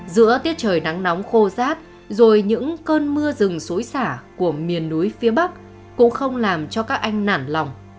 giữa tiết trời nắng nóng khô rát rồi những cơn mưa rừng xối xả của miền núi phía bắc cũng không làm cho các anh nản lòng